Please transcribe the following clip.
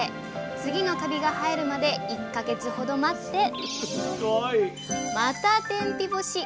次のカビが生えるまで１か月ほど待ってまた天日干し！